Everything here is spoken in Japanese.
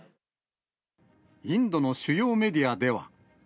インドの主要メディアでは。